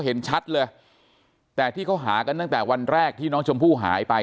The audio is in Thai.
เห็นชัดเลยแต่ที่เขาหากันตั้งแต่วันแรกที่น้องชมพู่หายไป